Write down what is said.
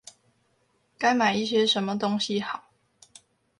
該買一些什麼東西好